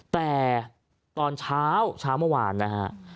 แต่ตอนเช้าเช้าเมื่อวานนะฮะ